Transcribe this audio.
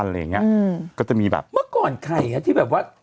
อะไรอย่างเงี้ยอืมก็จะมีแบบเมื่อก่อนใครอ่ะที่แบบว่า